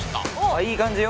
いい感じよ・